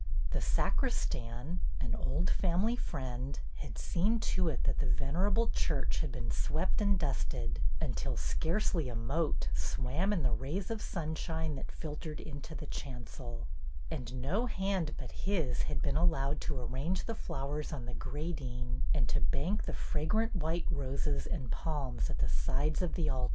The sacristan, an old family friend, had seen to it that the venerable church had been swept and dusted until scarcely a mote swam in the rays of sunshine that filtered into the chancel; and no hand but his had been al lowed to arrange the flowers on the gradine and to bank the fragrant white roses and palms at the sides of the altar.